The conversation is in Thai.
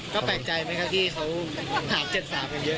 ก็แปลกใจไหมครับที่เขาถาม๗๓กันเยอะ